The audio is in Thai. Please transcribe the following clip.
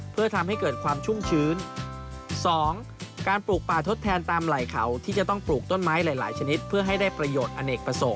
เพื่อทำให้เกิดความชุ่งชื้น